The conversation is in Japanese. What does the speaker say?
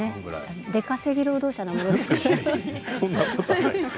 出稼ぎ労働者なものですから。